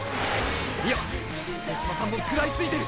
いや手嶋さんも食らいついてる！